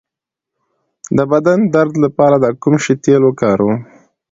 د بدن درد لپاره د کوم شي تېل وکاروم؟